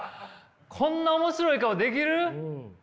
こんな面白い顔できる？